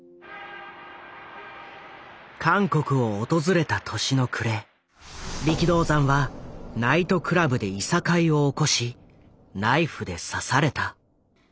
韓国を訪れた年の暮れ力道山はナイトクラブでいさかいを起こしナイフで刺された。